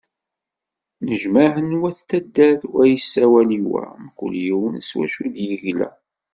Nnejmaɛen wat taddart wa yessawal i wa, mkul yiwen s wacu i d-yegla.